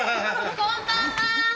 ・こんばんは。